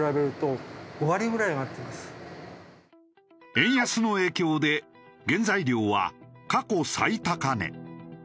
円安の影響で原材料は過去最高値。